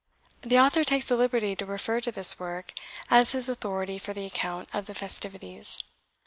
The author takes the liberty to refer to this work as his authority for the account of the festivities.